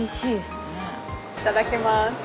いただきます。